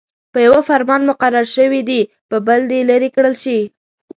په يوه فرمان مقرر شوي دې په بل دې لیرې کړل شي.